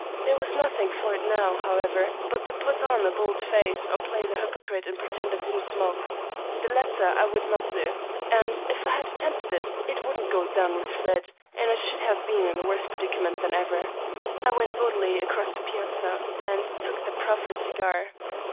There was nothing for it now, however, but to put on a bold face, or play the hypocrite and pretend I didn't smoke. The latter I would not do, and if I had attempted it, it wouldn't go down with Fred, and I should have been in a worse predicament than ever. I went boldly across the piazza and took the proffered cigar.